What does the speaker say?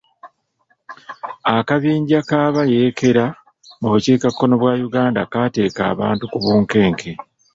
Akabinja k'abayeekera mu bukiikakkono bwa Uganda kateeka abantu ku bunkenke.